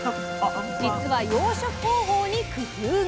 実は養殖方法に工夫が。